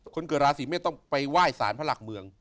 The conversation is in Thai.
คนเกิดราศีเมษต้องไปไหว้สารพระหลักเมือง